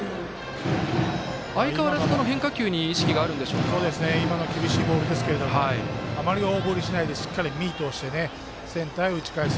相変わらず、変化球に今の厳しいボールですけどあまり大振りしないでしっかりミートをしてセンターへ打ち返す。